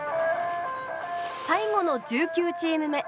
最後の１９チーム目。